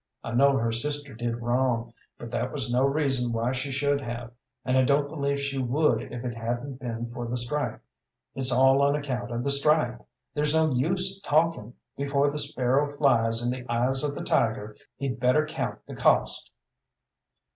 I know her sister did wrong, but that was no reason why she should have, and I don't believe she would if it hadn't been for the strike. It's all on account of the strike. There's no use talking: before the sparrow flies in the eyes of the tiger, he'd better count the cost."